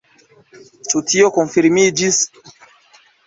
Ĉu tio konfirmiĝis?